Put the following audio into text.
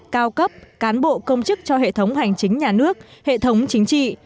cao cấp cán bộ công chức cho hệ thống hành chính nhà nước hệ thống chính trị